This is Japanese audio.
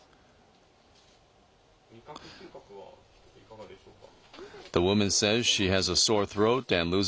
味覚、嗅覚はいかがでしょうか。